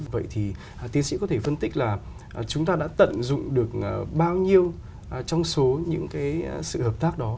vậy thì tiến sĩ có thể phân tích là chúng ta đã tận dụng được bao nhiêu trong số những cái sự hợp tác đó